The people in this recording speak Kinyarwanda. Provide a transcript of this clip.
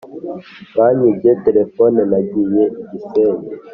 Banyibye telephone nagiye igisenyi